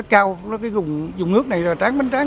trong mơ của mình